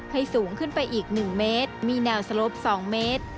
สูงขึ้นไปอีก๑เมตรมีแนวสลบ๒เมตร